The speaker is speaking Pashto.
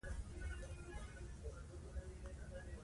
دا د ډیرو سیستمونو یوځای کولو ته اړتیا لري